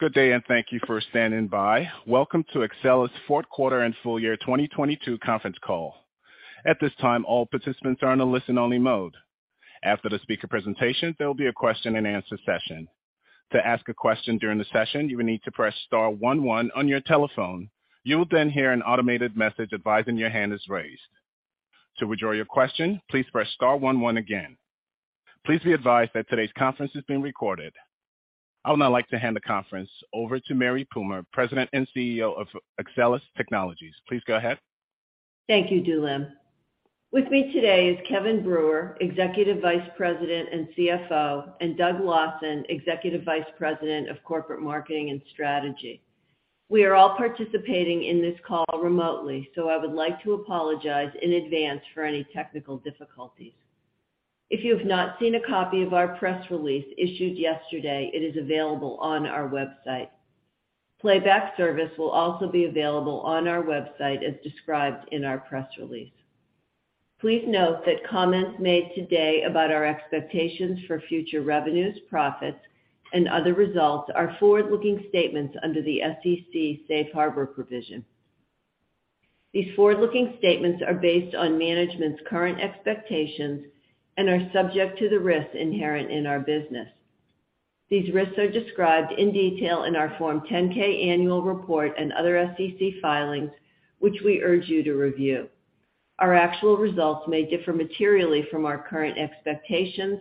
Good day, and thank you for standing by. Welcome to Axcelis' fourth quarter and full year 2022 conference call. At this time, all participants are in a listen-only mode. After the speaker presentation, there will be a question-and-answer session. To ask a question during the session, you will need to press star 11 on your telephone. You will then hear an automated message advising your hand is raised. To withdraw your question, please press star 11 again. Please be advised that today's conference is being recorded. I would now like to hand the conference over to Mary Puma, President and CEO of Axcelis Technologies. Please go ahead. Thank you, Dulem. With me today is Kevin Brewer, Executive Vice President and CFO, and Doug Lawson, Executive Vice President of Corporate Marketing and Strategy. We are all participating in this call remotely. I would like to apologize in advance for any technical difficulties. If you have not seen a copy of our press release issued yesterday, it is available on our website. Playback service will also be available on our website as described in our press release. Please note that comments made today about our expectations for future revenues, profits, and other results are forward-looking statements under the SEC safe harbor provision. These forward-looking statements are based on management's current expectations and are subject to the risks inherent in our business. These risks are described in detail in our Form 10-K annual report and other SEC filings, which we urge you to review. Our actual results may differ materially from our current expectations.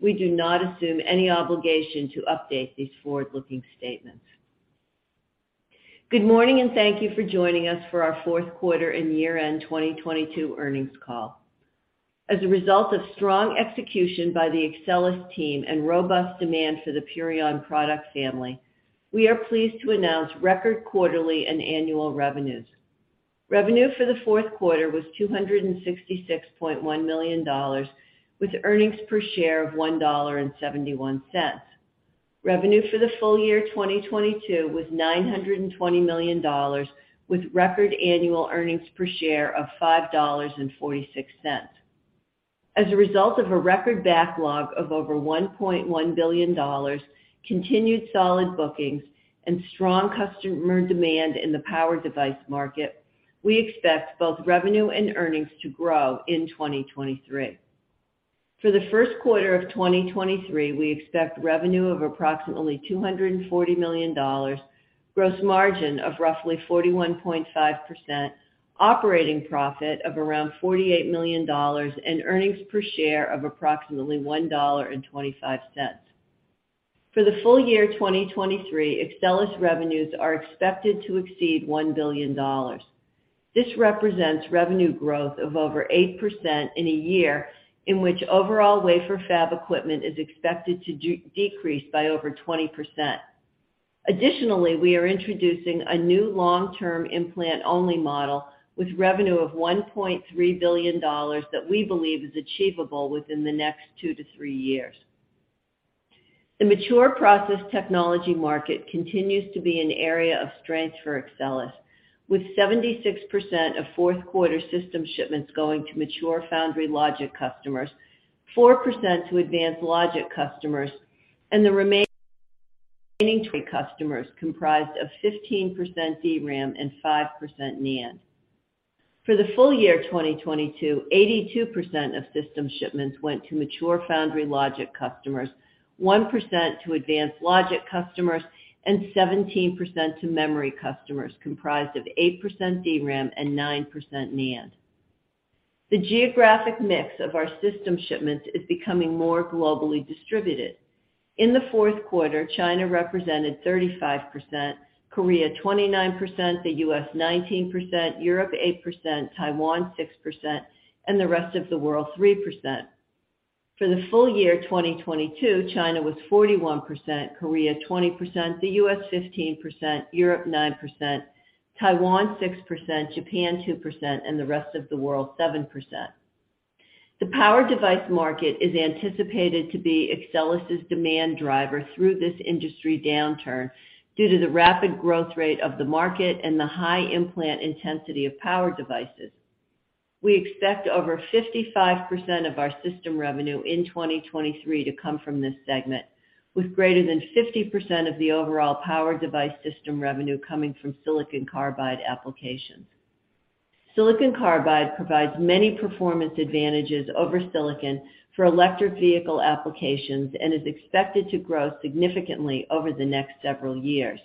We do not assume any obligation to update these forward-looking statements. Good morning, thank you for joining us for our fourth quarter and year-end 2022 earnings call. As a result of strong execution by the Axcelis team and robust demand for the Purion product family, we are pleased to announce record quarterly and annual revenues. Revenue for the fourth quarter was $266.1 million with earnings per share of $1.71. Revenue for the full year 2022 was $920 million with record annual earnings per share of $5.46. As a result of a record backlog of over $1.1 billion, continued solid bookings, and strong customer demand in the power device market, we expect both revenue and earnings to grow in 2023. For the first quarter of 2023, we expect revenue of approximately $240 million, gross margin of roughly 41.5%, operating profit of around $48 million, and earnings per share of approximately $1.25. For the full year 2023, Axcelis revenues are expected to exceed $1 billion. This represents revenue growth of over 8% in a year in which overall wafer fab equipment is expected to decrease by over 20%. Additionally, we are introducing a new long-term implant-only model with revenue of $1.3 billion that we believe is achievable within the next 2 to 3 years. The mature process technology market continues to be an area of strength for Axcelis, with 76% of fourth quarter system shipments going to mature foundry logic customers, 4% to advanced logic customers, and the remaining 20% to memory customers comprised of 15% DRAM and 5% NAND. For the full year 2022, 82% of system shipments went to mature foundry logic customers, 1% to advanced logic customers, and 17% to memory customers comprised of 8% DRAM and 9% NAND. The geographic mix of our system shipments is becoming more globally distributed. In the fourth quarter, China represented 35%, Korea 29%, the US 19%, Europe 8%, Taiwan 6%, and the rest of the world 3%. For the full year 2022, China was 41%, Korea 20%, the U.S. 15%, Europe 9%, Taiwan 6%, Japan 2%, and the rest of the world 7%. The power device market is anticipated to be Axcelis' demand driver through this industry downturn due to the rapid growth rate of the market and the high implant intensity of power devices. We expect over 55% of our system revenue in 2023 to come from this segment, with greater than 50% of the overall power device system revenue coming from silicon carbide applications. Silicon carbide provides many performance advantages over silicon for electric vehicle applications and is expected to grow significantly over the next several years.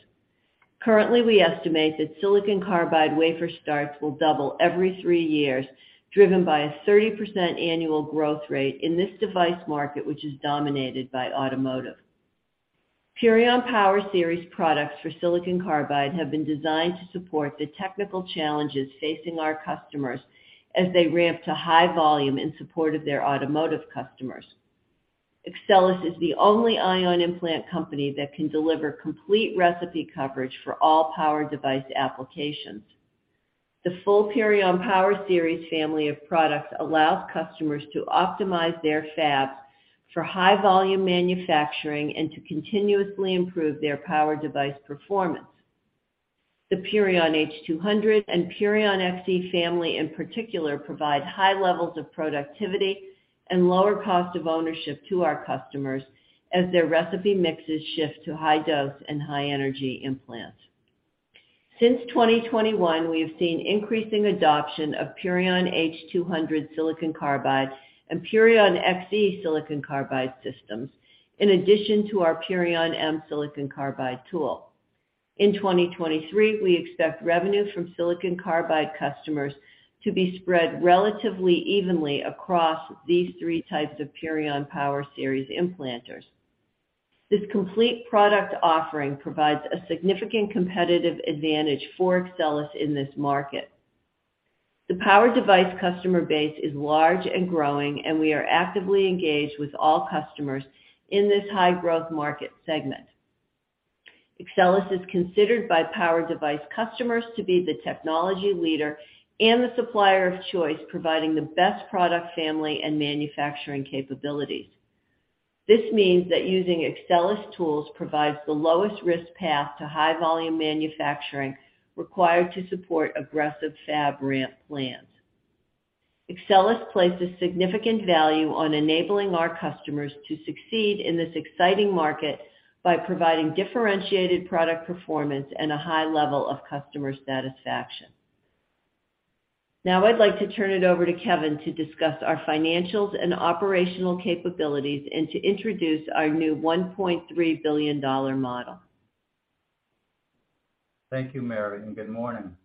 Currently, we estimate that silicon carbide wafer starts will double every 3 years, driven by a 30% annual growth rate in this device market, which is dominated by automotive. Purion Power Series products for silicon carbide have been designed to support the technical challenges facing our customers as they ramp to high volume in support of their automotive customers. Axcelis is the only ion implant company that can deliver complete recipe coverage for all power device applications. The full Purion Power Series family of products allows customers to optimize their fabs for high volume manufacturing and to continuously improve their power device performance. The Purion H200 and Purion XE family in particular, provide high levels of productivity and lower cost of ownership to our customers as their recipe mixes shift to high dose and high energy implants. Since 2021, we have seen increasing adoption of Purion H200 silicon carbide and Purion XE silicon carbide systems, in addition to our Purion M silicon carbide tool. In 2023, we expect revenue from silicon carbide customers to be spread relatively evenly across these three types of Purion Power Series implanters. This complete product offering provides a significant competitive advantage for Axcelis in this market. The power device customer base is large and growing, and we are actively engaged with all customers in this high growth market segment. Axcelis is considered by power device customers to be the technology leader and the supplier of choice, providing the best product family and manufacturing capabilities. This means that using Axcelis tools provides the lowest risk path to high volume manufacturing required to support aggressive fab ramp plans. Axcelis places significant value on enabling our customers to succeed in this exciting market by providing differentiated product performance and a high level of customer satisfaction. Now I'd like to turn it over to Kevin to discuss our financials and operational capabilities, and to introduce our new $1.3 billion model. Thank you, Mary. Good morning.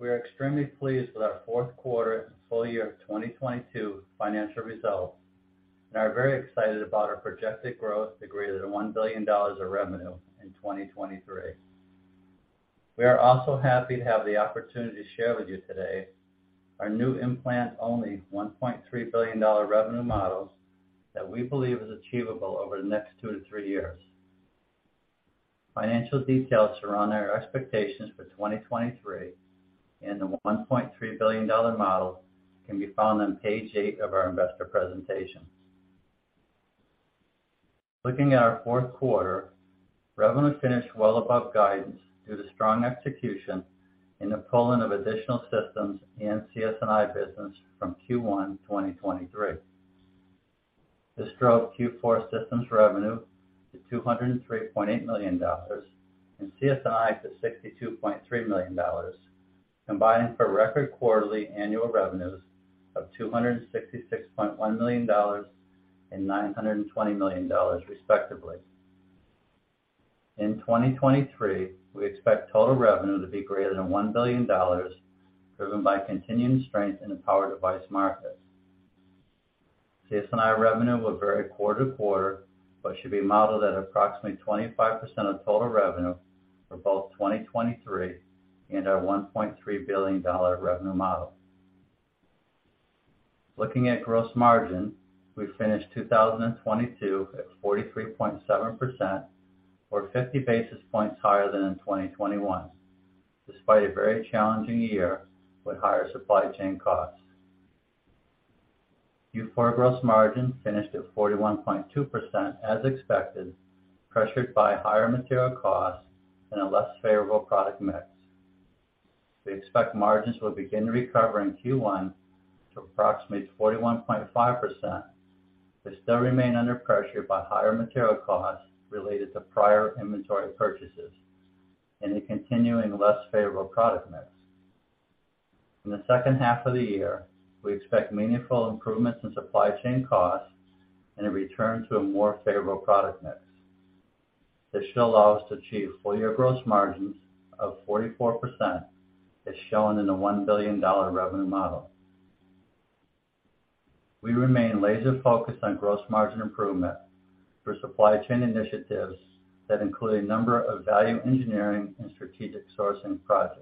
We are extremely pleased with our fourth quarter and full year of 2022 financial results. We are very excited about our projected growth to greater than $1 billion of revenue in 2023. We are also happy to have the opportunity to share with you today our new implant only $1.3 billion revenue models, that we believe is achievable over the next 2-3 years. Financial details around our expectations for 2023, the $1.3 billion model can be found on page 8 of our investor presentation. Looking at our fourth quarter, revenue finished well above guidance due to strong execution in the pull-in of additional systems and CS&I business from Q1 2023. This drove Q4 systems revenue to $203.8 million, and CS&I to $62.3 million, combining for record quarterly annual revenues of $266.1 million and $920 million respectively. In 2023, we expect total revenue to be greater than $1 billion, driven by continuing strength in the power device market. CS&I revenue will vary quarter-to-quarter, but should be modeled at approximately 25% of total revenue for both 2023 and our $1.3 billion revenue model. Looking at gross margin, we finished 2022 at 43.7%, or 50 basis points higher than in 2021, despite a very challenging year with higher supply chain costs. Q4 gross margin finished at 41.2% as expected, pressured by higher material costs and a less favorable product mix. We expect margins will begin to recover in Q1 to approximately 41.5%. They still remain under pressure by higher material costs related to prior inventory purchases, and the continuing less favorable product mix. In the second half of the year, we expect meaningful improvements in supply chain costs and a return to a more favorable product mix. This should allow us to achieve full year gross margins of 44%, as shown in the $1 billion revenue model. We remain laser focused on gross margin improvement through supply chain initiatives that include a number of value engineering and strategic sourcing projects.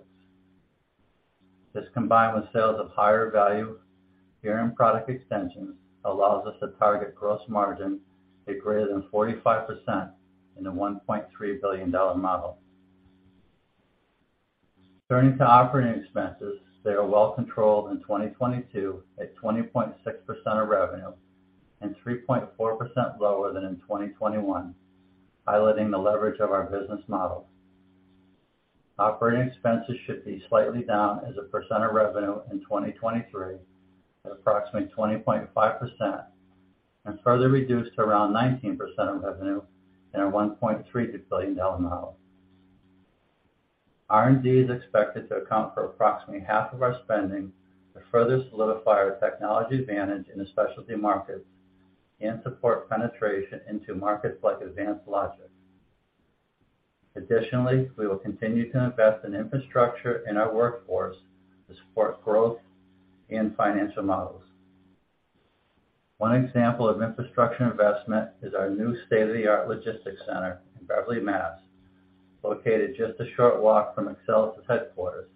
This, combined with sales of higher value year-end product extensions, allows us to target gross margin be greater than 45% in the $1.3 billion model. Turning to operating expenses, they are well controlled in 2022 at 20.6% of revenue, 3.4% lower than in 2021, highlighting the leverage of our business model. Operating expenses should be slightly down as a percent of revenue in 2023 at approximately 20.5%, further reduced to around 19% of revenue in our $1.3 billion model. R&D is expected to account for approximately half of our spending to further solidify our technology advantage in the specialty markets, support penetration into markets like advanced logic. Additionally, we will continue to invest in infrastructure in our workforce to support growth and financial models. One example of infrastructure investment is our new state-of-the-art logistics center in Beverly, Mass. Located just a short walk from Axcelis headquarters.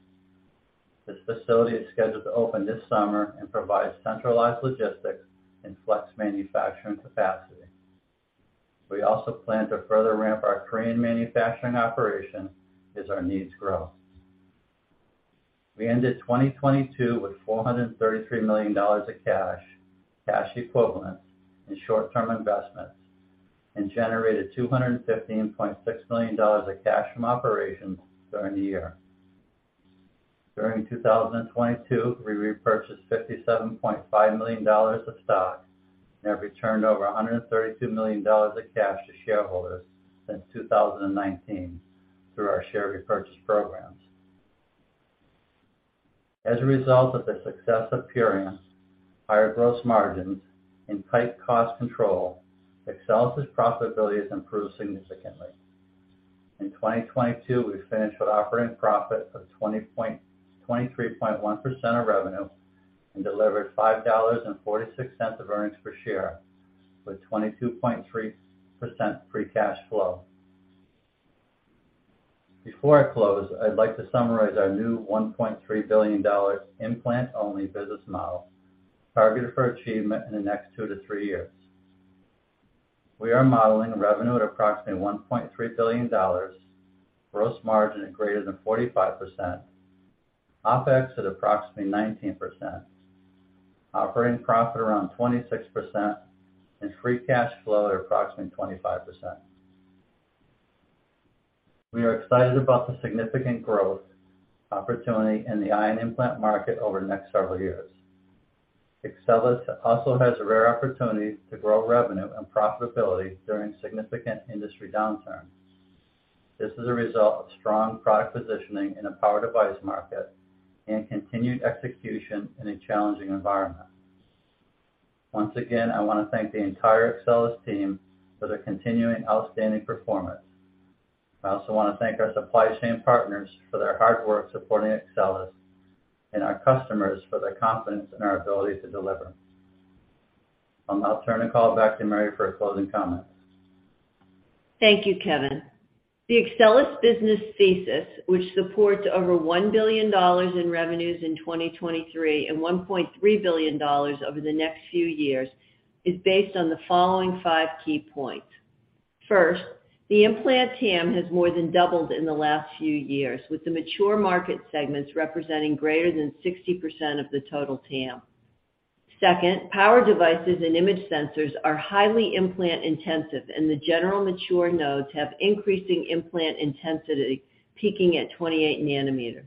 This facility is scheduled to open this summer and provide centralized logistics and flex manufacturing capacity. We also plan to further ramp our Korean manufacturing operation as our needs grow. We ended 2022 with $433 million of cash equivalents, and short-term investments, and generated $215.6 million of cash from operations during the year. During 2022, we repurchased $57.5 million of stock and have returned over $132 million of cash to shareholders since 2019 through our share repurchase programs. As a result of the success of Purion, higher gross margins, and tight cost control, Axcelis' profitability has improved significantly. In 2022, we finished with operating profit of 23.1% of revenue and delivered $5.46 of earnings per share, with 22.3% free cash flow. Before I close, I'd like to summarize our new $1.3 billion implant-only business model targeted for achievement in the next 2 to 3 years. We are modeling revenue at approximately $1.3 billion, gross margin at greater than 45%, OpEx at approximately 19%, operating profit around 26%, and free cash flow at approximately 25%. We are excited about the significant growth opportunity in the ion implant market over the next several years. Axcelis also has a rare opportunity to grow revenue and profitability during significant industry downturns. This is a result of strong product positioning in a power device market and continued execution in a challenging environment. Once again, I want to thank the entire Axcelis team for their continuing outstanding performance. I also want to thank our supply chain partners for their hard work supporting Axcelis and our customers for their confidence in our ability to deliver. I'll now turn the call back to Mary for closing comments. Thank you, Kevin. The Axcelis business thesis, which supports over $1 billion in revenues in 2023 and $1.3 billion over the next few years, is based on the following 5 key points. First, the implant TAM has more than doubled in the last few years, with the mature market segments representing greater than 60% of the total TAM. Second, power devices and image sensors are highly implant-intensive, and the general mature nodes have increasing implant intensity, peaking at 28 nanometer.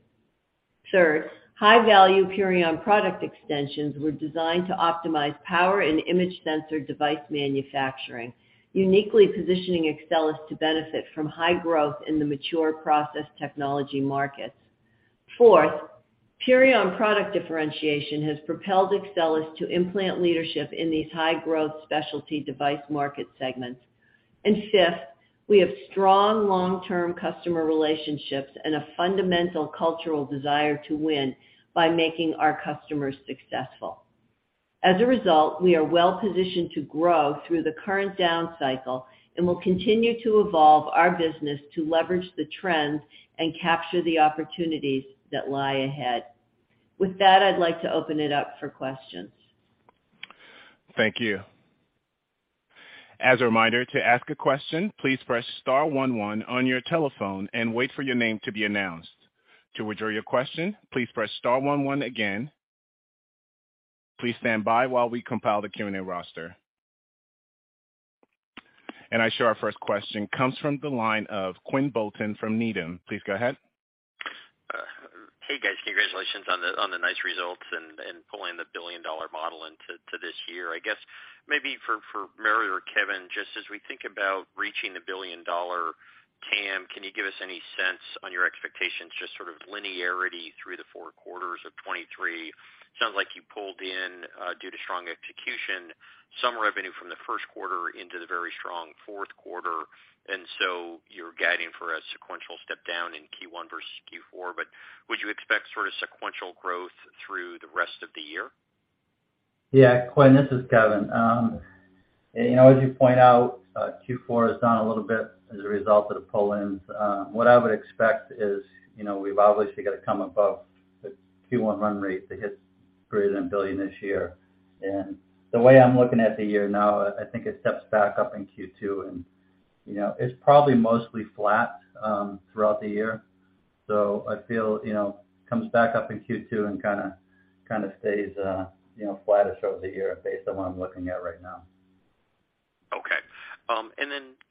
Third, high-value Purion product extensions were designed to optimize power and image sensor device manufacturing, uniquely positioning Axcelis to benefit from high growth in the mature process technology markets. Fourth, Purion product differentiation has propelled Axcelis to implant leadership in these high-growth specialty device market segments. Fifth, we have strong long-term customer relationships and a fundamental cultural desire to win by making our customers successful. As a result, we are well-positioned to grow through the current down cycle, and we'll continue to evolve our business to leverage the trends and capture the opportunities that lie ahead. With that, I'd like to open it up for questions. Thank you. As a reminder, to ask a question, please press star 1 1 on your telephone and wait for your name to be announced. To withdraw your question, please press star 1 1 again. Please stand by while we compile the Q&A roster. I show our first question comes from the line of Quinn Bolton from Needham. Please go ahead. Hey, guys. Congratulations on the nice results and pulling the billion-dollar model into this year. I guess maybe for Mary or Kevin, just as we think about reaching the billion-dollar TAM, can you give us any sense on your expectations, just sort of linearity through the 4 quarters of 2023? Sounds like you pulled in, due to strong execution, some revenue from the 1st quarter into the very strong 4th quarter, and so you're guiding for a sequential step-down in Q1 versus Q4. Would you expect sort of sequential growth through the rest of the year? Yeah. Quinn, this is Kevin. You know, as you point out, Q4 is down a little bit as a result of the pull-ins. What I would expect is, you know, we've obviously got to come above the Q1 run rate to hit greater than $1 billion this year. The way I'm looking at the year now, I think it steps back up in Q2, and, you know, it's probably mostly flat, throughout the year. I feel, you know, comes back up in Q2 and kinda stays, you know, flattish over the year based on what I'm looking at right now. Okay.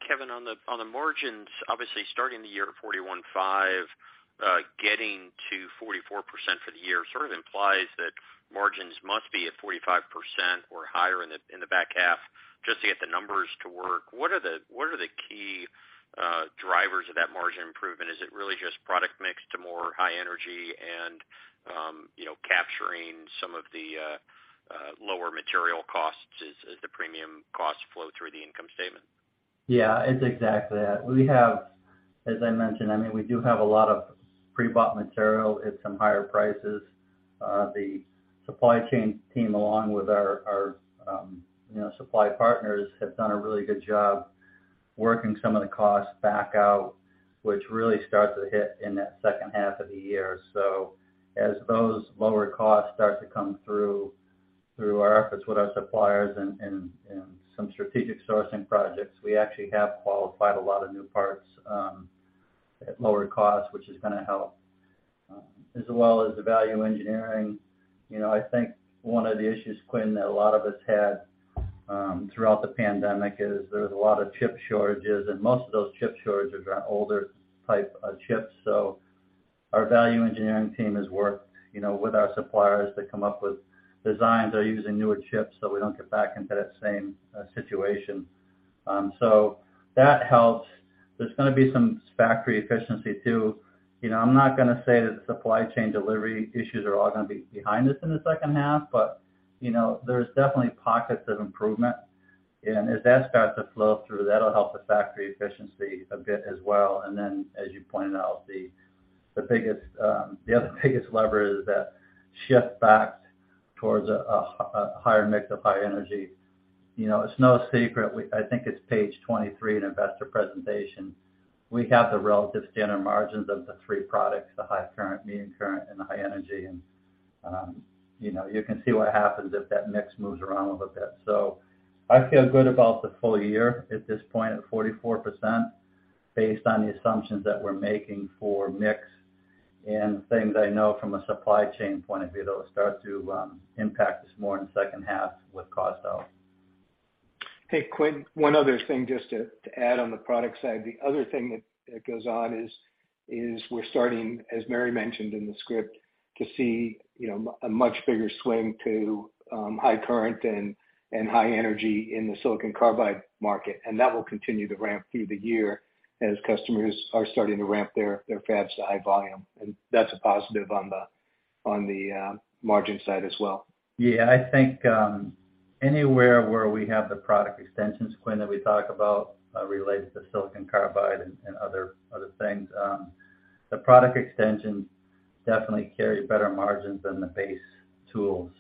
Kevin, on the, on the margins, obviously starting the year at 41.5%, getting to 44% for the year sort of implies that margins must be at 45% or higher in the, in the back half just to get the numbers to work. What are the, what are the key drivers of that margin improvement? Is it really just product mix to more high energy and, you know, capturing some of the lower material costs as the premium costs flow through the income statement? Yeah. It's exactly that. We have, as I mentioned, we do have a lot of pre-bought material at some higher prices. The supply chain team, along with our, you know, supply partners, have done a really good job working some of the costs back out, which really starts to hit in that second half of the year. As those lower costs start to come through our efforts with our suppliers and some strategic sourcing projects, we actually have qualified a lot of new parts at lower cost, which is gonna help as well as the value engineering. You know, I think one of the issues, Quinn, that a lot of us had throughout the pandemic is there's a lot of chip shortages, and most of those chip shortages are older type chips. Our value engineering team has worked, you know, with our suppliers to come up with designs that are using newer chips, so we don't get back into that same situation. That helps. There's gonna be some factory efficiency too. You know, I'm not gonna say that the supply chain delivery issues are all gonna be behind us in the second half, but, you know, there's definitely pockets of improvement. As that starts to flow through, that'll help the factory efficiency a bit as well. As you pointed out, the biggest, the other biggest lever is that shift back towards a higher mix of high energy. You know, it's no secret, I think it's page 23 in investor presentation. We have the relative standard margins of the three products, the high current, medium current, and the high energy. You know, you can see what happens if that mix moves around a little bit. I feel good about the full year at this point at 44% based on the assumptions that we're making for mix and things I know from a supply chain point of view that'll start to impact us more in the second half with cost out. Hey, Quinn, one other thing just to add on the product side. The other thing that goes on is we're starting, as Mary mentioned in the script, to see, you know, a much bigger swing to high current and high energy in the silicon carbide market. That will continue to ramp through the year as customers are starting to ramp their fabs to high volume. That's a positive on the margin side as well. Yeah. I think anywhere where we have the product extensions, Quinn, that we talk about related to silicon carbide and other things, the product extensions definitely carry better margins than the base tools.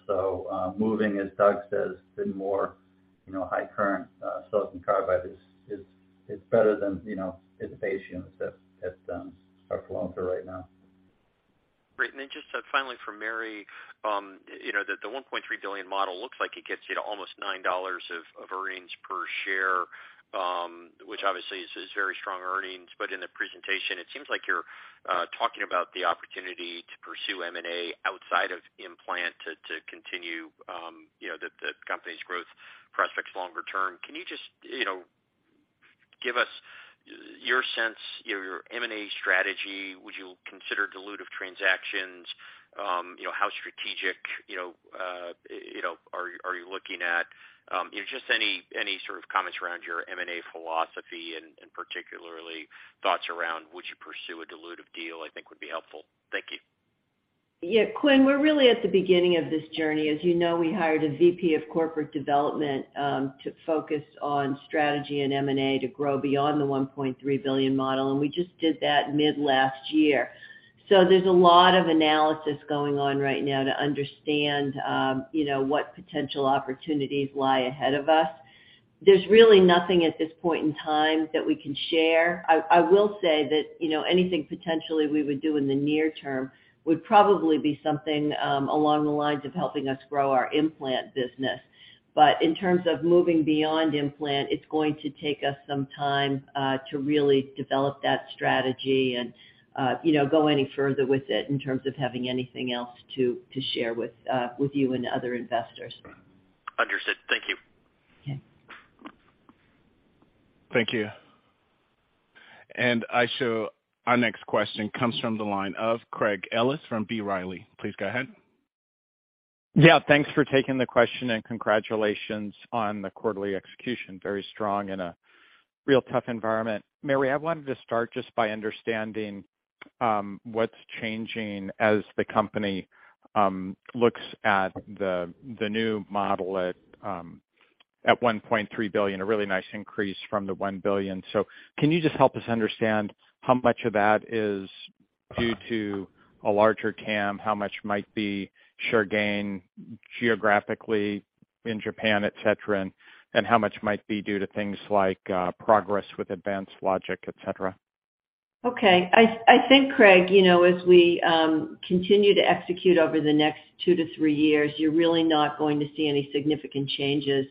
Moving, as Doug says, to more, you know, high current, silicon carbide is, it's better than, you know, the base units that are flowing through right now. Great. Just finally for Mary, you know, the $1.3 billion model looks like it gets you to almost $9 of earnings per share, which obviously is very strong earnings. In the presentation, it seems like you're talking about the opportunity to pursue M&A outside of implant to continue, you know, the company's growth prospects longer term. Can you just, you know, give us your sense, your M&A strategy? Would you consider dilutive transactions? You know, how strategic, you know, are you looking at? You know, just any sort of comments around your M&A philosophy and particularly thoughts around would you pursue a dilutive deal, I think would be helpful. Thank you. Yeah. Quinn, we're really at the beginning of this journey. As you know, we hired a VP of corporate development, to focus on strategy and M&A to grow beyond the $1.3 billion model. We just did that mid last year. There's a lot of analysis going on right now to understand, you know, what potential opportunities lie ahead of us. There's really nothing at this point in time that we can share. I will say that, anything potentially we would do in the near term would probably be something along the lines of helping us grow our implant business. In terms of moving beyond implant, it's going to take us some time to really develop that strategy and, you know, go any further with it in terms of having anything else to share with you and other investors. Understood. Thank you. Okay. Thank you. I show our next question comes from the line of Craig Ellis from B. Riley. Please go ahead. Yeah, thanks for taking the question, and congratulations on the quarterly execution. Very strong in a real tough environment. Mary, I wanted to start just by understanding what's changing as the company looks at the new model at $1.3 billion, a really nice increase from the $1 billion. Can you just help us understand how much of that is due to a larger CAM, how much might be share gain geographically in Japan, et cetera, and how much might be due to things like progress with advanced logic, et cetera? Okay. I think, Craig, you know, as we continue to execute over the next two to three years, you're really not going to see any significant changes in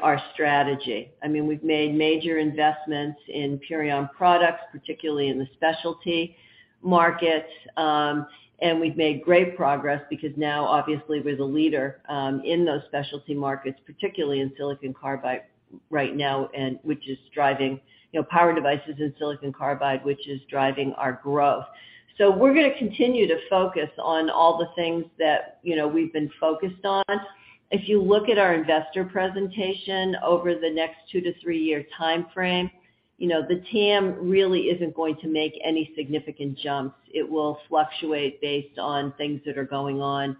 our strategy. I mean, we've made major investments in Purion products, particularly in the specialty markets, and we've made great progress because now obviously we're the leader in those specialty markets, particularly in silicon carbide right now, and which is driving, you know, power devices in silicon carbide, which is driving our growth. We're gonna continue to focus on all the things that, you know, we've been focused on. If you look at our investor presentation over the next two to three-year timeframe, you know, the TAM really isn't going to make any significant jumps. It will fluctuate based on things that are going on,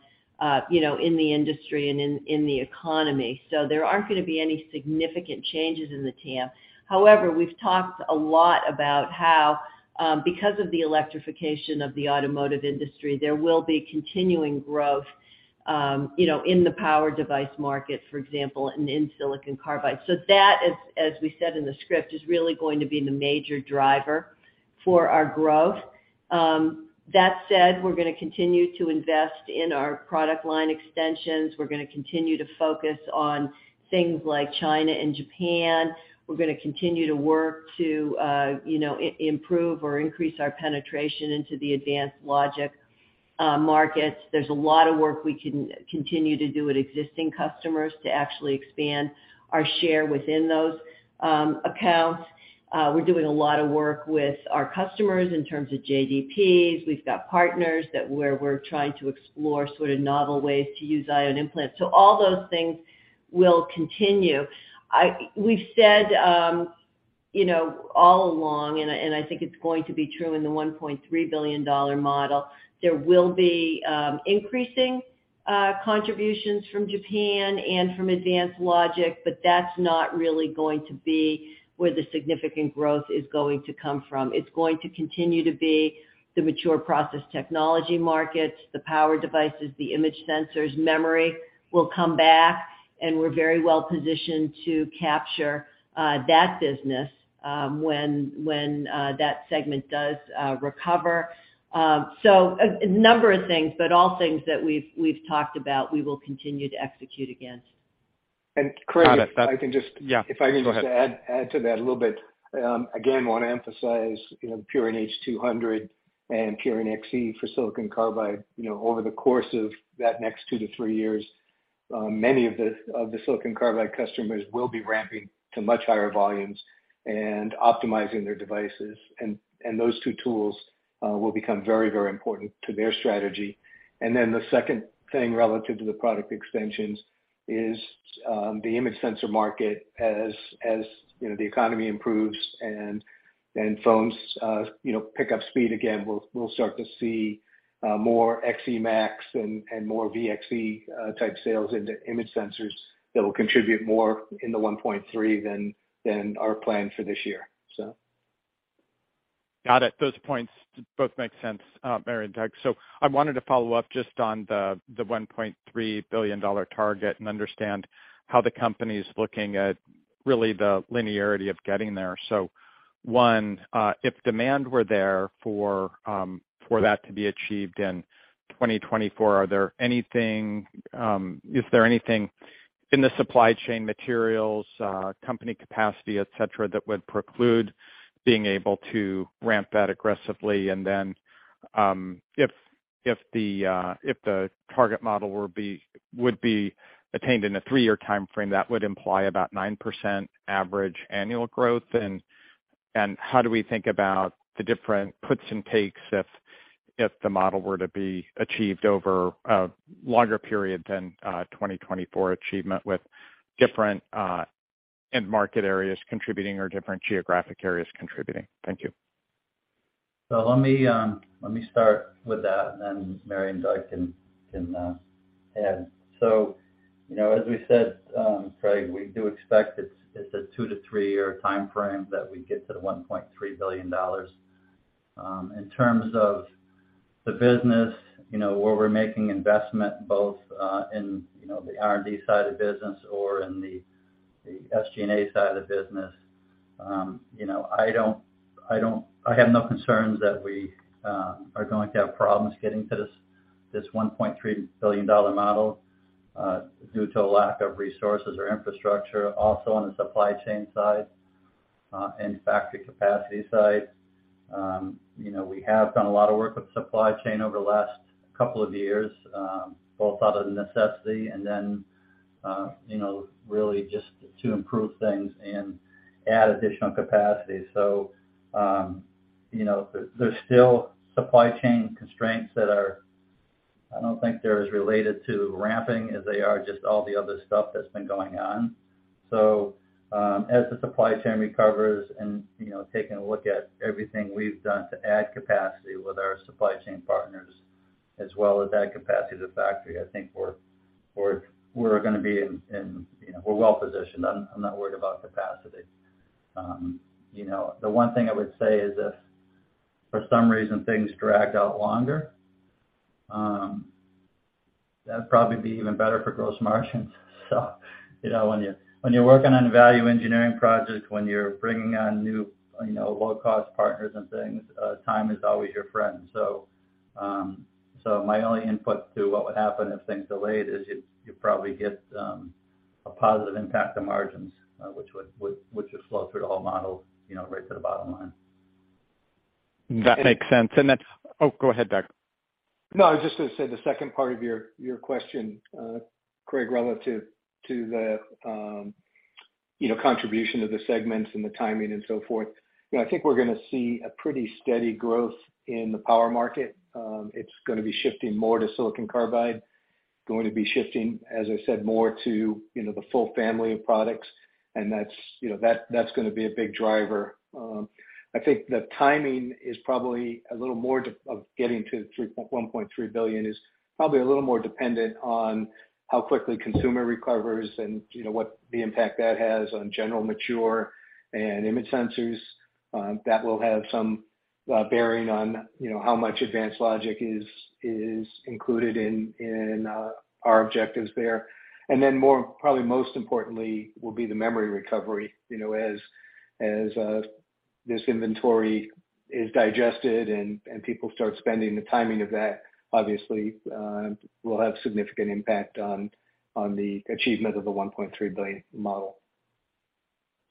you know, in the industry and in the economy. There aren't gonna be any significant changes in the TAM. However, we've talked a lot about how, because of the electrification of the automotive industry, there will be continuing growth, you know, in the power device market, for example, and in silicon carbide. That, as we said in the script, is really going to be the major driver for our growth. That said, we're gonna continue to invest in our product line extensions. We're gonna continue to focus on things like China and Japan. We're gonna continue to work to, you know, improve or increase our penetration into the advanced logic markets. There's a lot of work we can continue to do with existing customers to actually expand our share within those accounts. We're doing a lot of work with our customers in terms of JDPs. We've got partners that where we're trying to explore sort of novel ways to use ion implants. All those things will continue. We've said, you know, all along, and I, and I think it's going to be true in the $1.3 billion model, there will be increasing contributions from Japan and from Advanced Logic, That's not really going to be where the significant growth is going to come from. It's going to continue to be the mature process technology markets, the power devices, the image sensors. Memory will come back, and we're very well positioned to capture that business when that segment does recover. A number of things, all things that we've talked about, we will continue to execute against. Craig, if I can... Yeah. If I can just add to that a little bit. Again, wanna emphasize, you know, Purion H200 and Purion XE for silicon carbide. You know, over the course of that next two to three years, many of the silicon carbide customers will be ramping to much higher volumes and optimizing their devices. Those two tools will become very important to their strategy. The second thing relative to the product extensions is, the image sensor market as, you know, the economy improves and phones, you know, pick up speed again, we'll start to see more XEmax and more VXe type sales into image sensors that will contribute more in the $1.3 than our plan for this year. Got it. Those points both make sense, Mary and Doug. I wanted to follow up just on the $1.3 billion target and understand how the company's looking at really the linearity of getting there. If demand were there for that to be achieved in 2024, are there anything, is there anything in the supply chain materials, company capacity, et cetera, that would preclude being able to ramp that aggressively? Then if the target model would be attained in a three-year timeframe, that would imply about 9% average annual growth. How do we think about the different puts and takes if the model were to be achieved over a longer period than 2024 achievement with different end market areas contributing or different geographic areas contributing? Thank you. Let me start with that, and then Mary and Doug can add. You know, as we said, Craig, we do expect it's a two to three-year timeframe that we get to the $1.3 billion. In terms of the business, you know, where we're making investment both in, you know, the R&D side of the business or in the SG&A side of the business, you know, I have no concerns that we are going to have problems getting to this $1.3 billion model due to a lack of resources or infrastructure. On the supply chain side, and factory capacity side, you know, we have done a lot of work with supply chain over the last couple of years, both out of necessity and then, you know, really just to improve things and add additional capacity. You know, there's still supply chain constraints that are, I don't think they're as related to ramping as they are just all the other stuff that's been going on. As the supply chain recovers and, you know, taking a look at everything we've done to add capacity with our supply chain partners as well as add capacity to the factory, I think we're gonna be in, you know, we're well positioned. I'm not worried about capacity. You know, the one thing I would say is if for some reason things dragged out longer, that'd probably be even better for gross margins. You know, when you're working on a value engineering project, when you're bringing on new, you know, low-cost partners and things, time is always your friend. My only input to what would happen if things delayed is you'd probably get a positive impact to margins, which would flow through the whole model, you know, right to the bottom line. That makes sense. Oh, go ahead, Doug. No, I was just gonna say the second part of your question, Craig, relative to the, you know, contribution of the segments and the timing and so forth. You know, I think we're gonna see a pretty steady growth in the power market. It's gonna be shifting more to silicon carbide, going to be shifting, as I said, more to, you know, the full family of products, and that's, you know, that's gonna be a big driver. I think the timing is probably a little more of getting to $1.3 billion is probably a little more dependent on how quickly consumer recovers and, you know, what the impact that has on general mature and image sensors. That will have some bearing on, you know, how much advanced logic is included in our objectives there. More, probably most importantly, will be the memory recovery. You know, as this inventory is digested and people start spending, the timing of that obviously, will have significant impact on the achievement of the $1.3 billion model.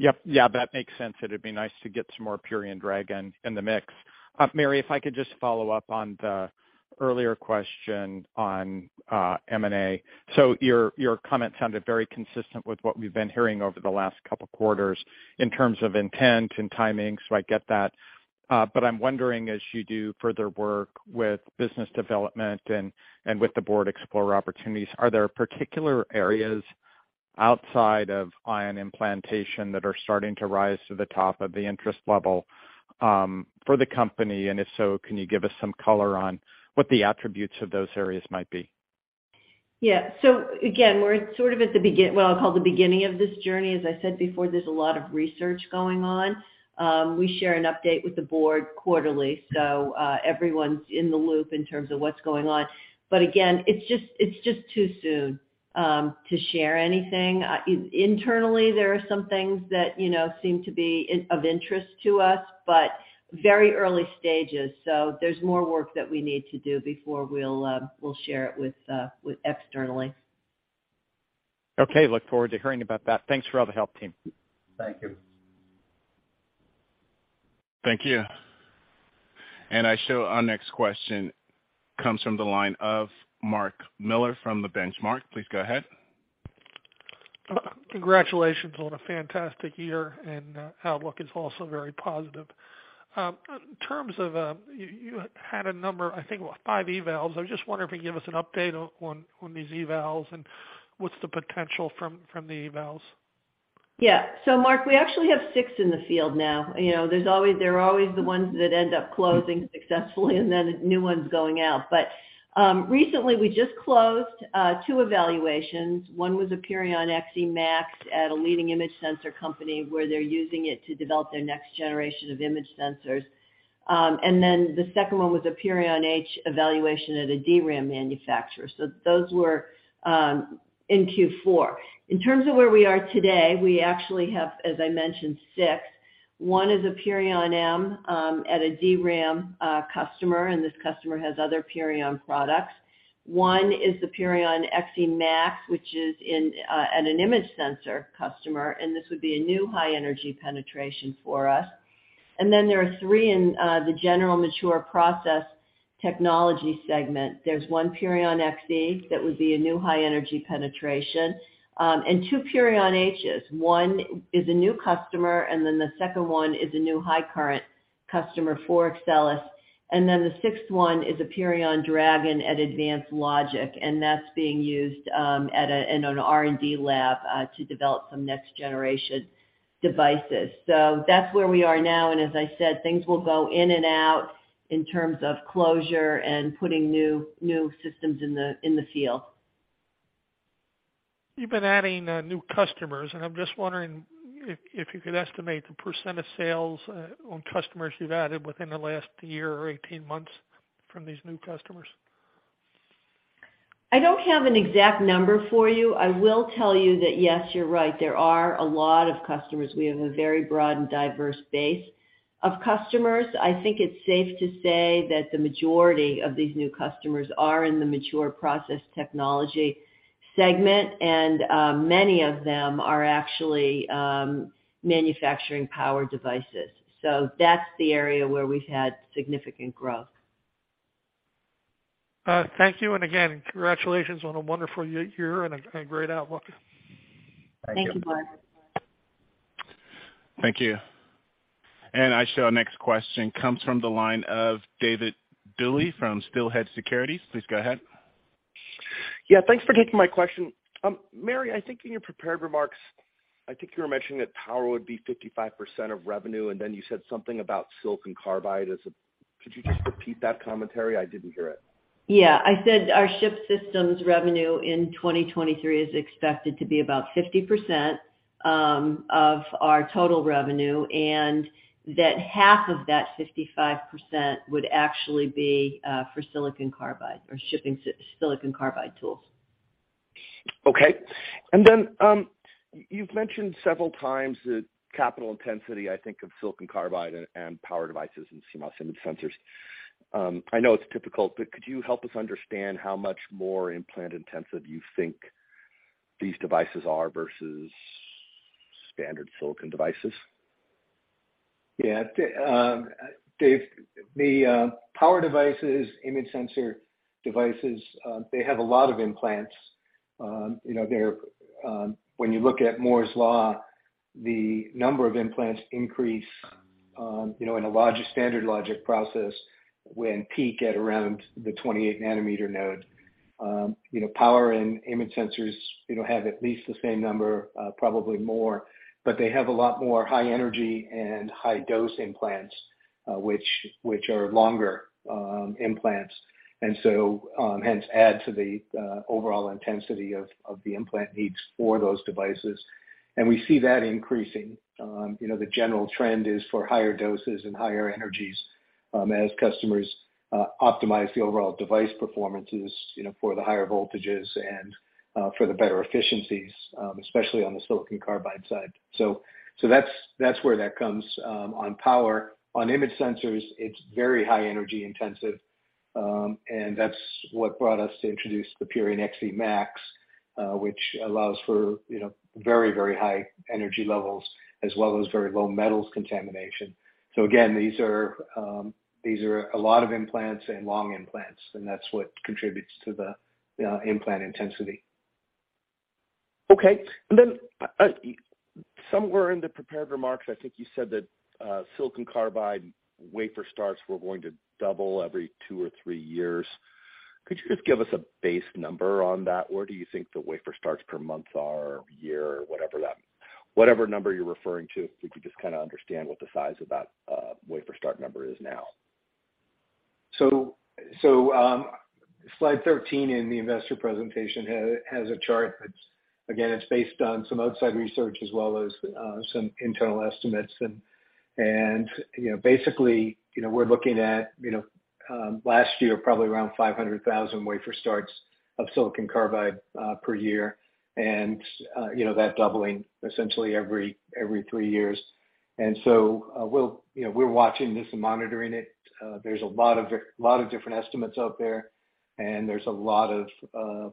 Yep. Yeah, that makes sense. It'd be nice to get some more Purion Dragon in the mix. Mary, if I could just follow up on the earlier question on M&A. Your, your comment sounded very consistent with what we've been hearing over the last couple quarters in terms of intent and timing, so I get that. but I'm wondering, as you do further work with business development and with the board explore opportunities, are there particular areas outside of ion implantation that are starting to rise to the top of the interest level, for the company? If so, can you give us some color on what the attributes of those areas might be? Yeah. Again, we're sort of at the beginning of this journey. As I said before, there's a lot of research going on. We share an update with the board quarterly, so everyone's in the loop in terms of what's going on. Again, it's just too soon to share anything. Internally, there are some things that, you know, seem to be of interest to us, but very early stages, so there's more work that we need to do before we'll share it with externally. Okay. Look forward to hearing about that. Thanks for all the help, team. Thank you. Thank you. I show our next question comes from the line of Mark Miller from The Benchmark. Please go ahead. Congratulations on a fantastic year, and outlook is also very positive. In terms of, you had a number, I think, what, 5 evals. I was just wondering if you give us an update on these evals, and what's the potential from the evals? Yeah. Mark, we actually have 6 in the field now. You know, there are always the ones that end up closing successfully, and then new ones going out. Recently, we just closed 2 evaluations. One was a Purion XEmaxat a leading image sensor company, where they're using it to develop their next generation of image sensors. The second one was a Purion H evaluation at a DRAM manufacturer. Those were in Q4. In terms of where we are today, we actually have, as I mentioned, 6. 1 is a Purion M at a DRAM customer, and this customer has other Purion products. 1 is the Purion XEmax, which is at an image sensor customer, and this would be a new high-energy penetration for us. There are 3 in the general mature process technology segment. There's 1 Purion XE that would be a new high energy penetration and 2 Purion Hs. 1 is a new customer, the second one is a new high current customer for Axcelis. The sixth one is a Purion Dragon at Advanced Logic, and that's being used at a, in an R&D lab to develop some next generation devices. That's where we are now, and as I said, things will go in and out in terms of closure and putting new systems in the field. You've been adding new customers, and I'm just wondering if you could estimate the % of sales on customers you've added within the last year or 18 months from these new customers. I don't have an exact number for you. I will tell you that yes, you're right, there are a lot of customers. We have a very broad and diverse base of customers. I think it's safe to say that the majority of these new customers are in the mature process technology segment, and many of them are actually manufacturing power devices. That's the area where we've had significant growth. Thank you. Again, congratulations on a wonderful year and a great outlook. Thank you. Thank you, Mark. Thank you. I show our next question comes from the line of David Duley from Steelhead Securities. Please go ahead. Yeah, thanks for taking my question. Mary, I think in your prepared remarks, I think you were mentioning that power would be 55% of revenue, you said something about silicon carbide as a... Could you just repeat that commentary? I didn't hear it. Yeah. I said our ship systems revenue in 2023 is expected to be about 50% of our total revenue, and that half of that 55% would actually be for silicon carbide or shipping silicon carbide tools. Okay. You've mentioned several times the capital intensity, I think, of silicon carbide and power devices and CMOS image sensors. I know it's difficult, but could you help us understand how much more implant intensive you think these devices are versus standard silicon devices? Yeah. Dave, the power devices, image sensor devices, they have a lot of implants. You know, they're when you look at Moore's Law, the number of implants increase, you know, in a logic, standard logic process when peak at around the 28 nanometer node. You know, power and image sensors, you know, have at least the same number, probably more, but they have a lot more high energy and high dose implants, which are longer implants. Hence add to the overall intensity of the implant needs for those devices. We see that increasing. you know, the general trend is for higher doses and higher energies, as customers optimize the overall device performances, you know, for the higher voltages and for the better efficiencies, especially on the silicon carbide side. that's where that comes on power. On image sensors, it's very high energy intensive. And that's what brought us to introduce the Purion XEmax, which allows for, you know, very, very high energy levels as well as very low metals contamination. Again, these are a lot of implants and long implants, and that's what contributes to the implant intensity. Okay. Somewhere in the prepared remarks, I think you said that silicon carbide wafer starts were going to double every two or three years. Could you just give us a base number on that? Where do you think the wafer starts per month are, or year, or Whatever number you're referring to, if we could just kinda understand what the size of that wafer start number is now. slide 13 in the investor presentation has a chart that's, again, it's based on some outside research as well as some internal estimates. you know, basically, you know, we're looking at, you know, last year, probably around 500,000 wafer starts of silicon carbide per year. you know, that doubling essentially every 3 years. we'll, you know, we're watching this and monitoring it. There's a lot of different estimates out there, and there's a lot of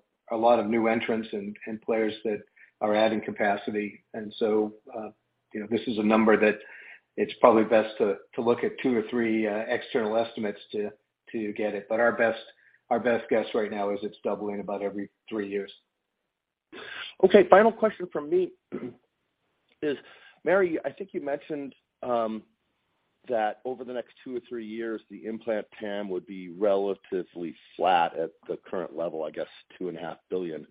new entrants and players that are adding capacity. you know, this is a number that it's probably best to look at 2 or 3 external estimates to get it. Our best guess right now is it's doubling about every 3 years. Final question from me is, Mary, I think you mentioned that over the next two or three years, the implant TAM would be relatively flat at the current level, I guess $2.5 billion.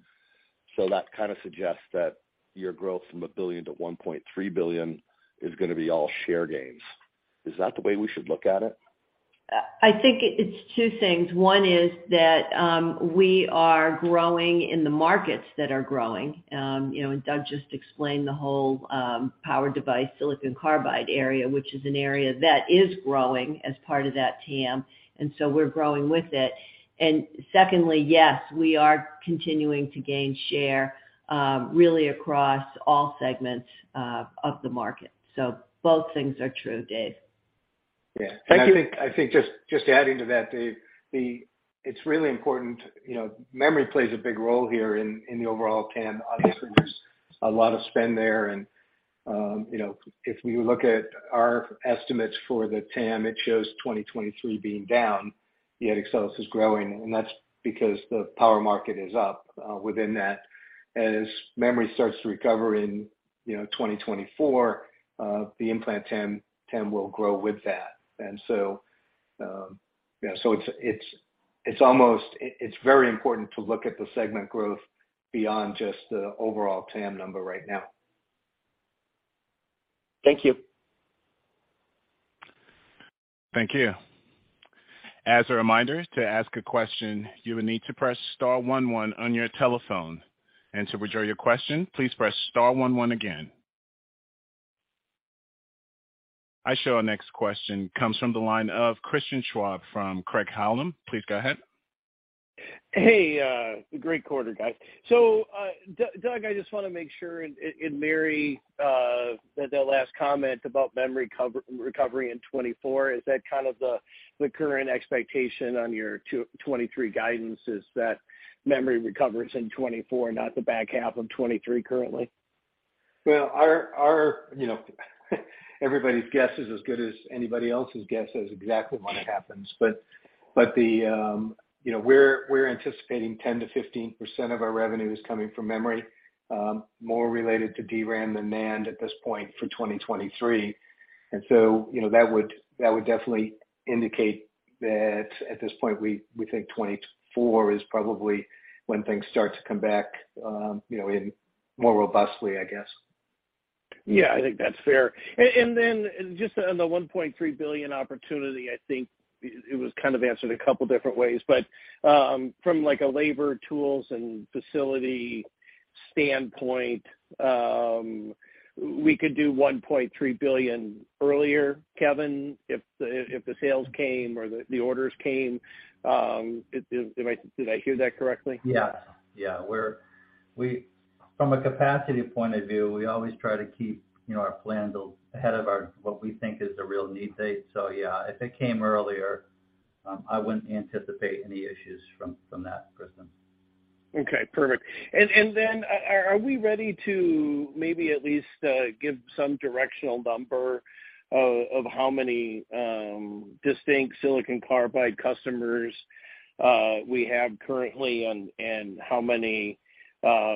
That kinda suggests that your growth from $1 billion to $1.3 billion is gonna be all share gains. Is that the way we should look at it? I think it's two things. One is that, we are growing in the markets that are growing. You know, Doug just explained the whole power device silicon carbide area, which is an area that is growing as part of that TAM. We're growing with it. Secondly, yes, we are continuing to gain share, really across all segments of the market. Both things are true, Dave. Yeah. Thank you. I think just adding to that, Dave, it's really important, you know, memory plays a big role here in the overall TAM. Obviously, there's a lot of spend there, and, you know, if we look at our estimates for the TAM, it shows 2023 being down, yet Axcelis is growing, and that's because the power market is up within that. As memory starts to recover in, you know, 2024, the implant TAM will grow with that. So it's very important to look at the segment growth beyond just the overall TAM number right now. Thank you. Thank you. As a reminder, to ask a question, you will need to press star one one on your telephone. To withdraw your question, please press star one one again. I show our next question comes from the line of Christian Schwab from Craig-Hallum. Please go ahead. Hey, great quarter, guys. Doug, I just wanna make sure, and Mary, that last comment about memory recovery in 2024, is that kind of the current expectation on your 2023 guidance, is that memory recovers in 2024, not the back half of 2023 currently? Well, our, you know, everybody's guess is as good as anybody else's guess as exactly when it happens. The, you know, we're anticipating 10%-15% of our revenue is coming from memory, more related to DRAM than NAND at this point for 2023. You know, that would, that would definitely indicate that at this point, we think 2024 is probably when things start to come back, you know, in more robustly, I guess. Yeah, I think that's fair. just on the $1.3 billion opportunity, I think it was kind of answered a couple different ways, from like a labor tools and facility standpoint, we could do $1.3 billion earlier, Kevin, if the sales came or the orders came. Is did I hear that correctly? Yeah. We from a capacity point of view, we always try to keep, you know, our plan build ahead of our, what we think is the real need date. Yeah, if it came earlier, I wouldn't anticipate any issues from that, Christian. Okay. Perfect. Then are we ready to maybe at least give some directional number of how many distinct silicon carbide customers we have currently and how many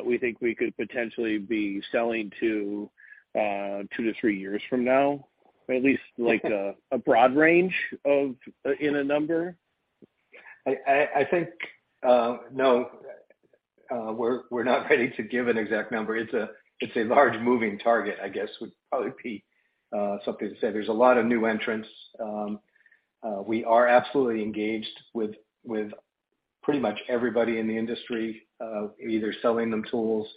we think we could potentially be selling to 2 to 3 years from now? Or at least like a broad range of in a number? I think, no, we're not ready to give an exact number. It's a large moving target, I guess, would probably be something to say. There's a lot of new entrants. We are absolutely engaged with pretty much everybody in the industry, either selling them tools,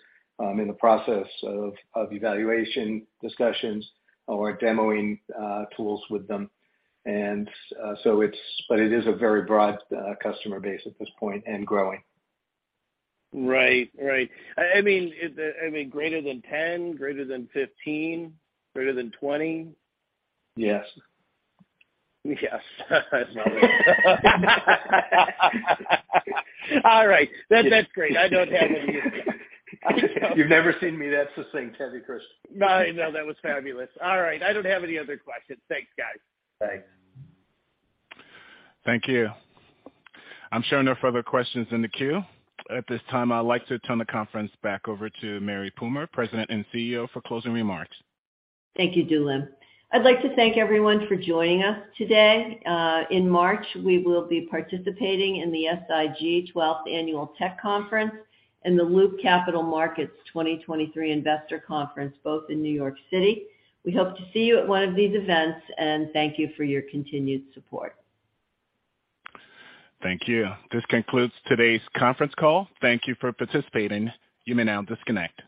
in the process of evaluation discussions or demoing tools with them. but it is a very broad customer base at this point and growing. Right. Right. I mean, greater than 10? Greater than 15? Greater than 20? Yes. Yes. All right. That's great. I don't have any. You've never seen me that succinct, have you, Christian? No, no, that was fabulous. All right. I don't have any other questions. Thanks, guys. Thanks. Thank you. I'm showing no further questions in the queue. At this time I'd like to turn the conference back over to Mary Puma, President and CEO, for closing remarks. Thank you, Dulem. I'd like to thank everyone for joining us today. In March, we will be participating in the SIG 12th Annual Tech Conference and the Loop Capital Markets 2023 Investor Conference, both in New York City. We hope to see you at one of these events, and thank you for your continued support. Thank you. This concludes today's conference call. Thank you for participating. You may now disconnect.